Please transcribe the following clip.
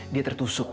dia tertusuk pak